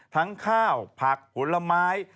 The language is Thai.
ทั้งข้าวผักผลไม้